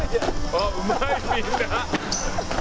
あっうまいみんな。